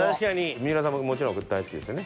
三浦さんももちろん大好きですよね？